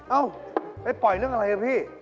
เอ้าไปปล่อยเรื่องอะไรอ่ะพี่